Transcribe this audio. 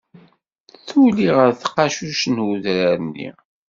Tuli ɣer tqacuct n udrar-nni.